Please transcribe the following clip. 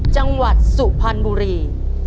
จังหวัดสุพรรณบุรี